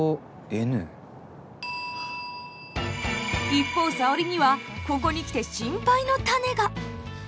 一方沙織にはここに来て心配の種が。